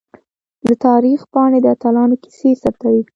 د تاریخ پاڼې د اتلانو کیسې ثبتوي.